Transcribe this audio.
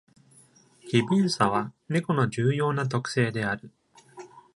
機敏さは、ネコの重要な特性である。